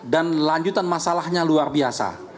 dan lanjutan masalahnya luar biasa